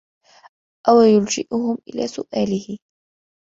أَوْ يُلْجِئَهُمْ إلَى سُؤَالِهِ